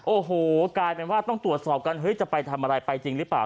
โอ้โหกลายเป็นว่าต้องตรวจสอบกันเฮ้ยจะไปทำอะไรไปจริงหรือเปล่า